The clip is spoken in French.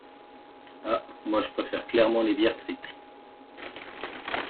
Ha moi je préfère clairement les bières triples.